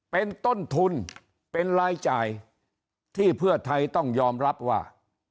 เป็นต้นทุนเป็นรายจ่ายที่เพื่อไทยต้องยอมรับว่า